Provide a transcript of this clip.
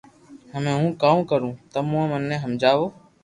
ھمي ھون ڪاو ڪارو تمي مني ھمجاو